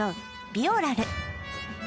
ビオラル